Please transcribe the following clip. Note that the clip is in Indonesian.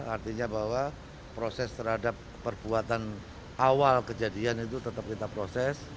artinya bahwa proses terhadap perbuatan awal kejadian itu tetap kita proses